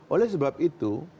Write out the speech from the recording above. oleh sebab itu